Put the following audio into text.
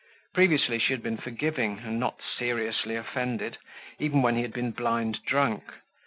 Previously she had been forgiving and not seriously offended, even when he had been blind drunk.